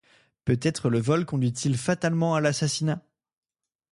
Peut-être le vol conduit-il fatalement à l’assassinat?